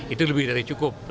itu lebih dari cukup